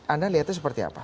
anda lihatnya seperti apa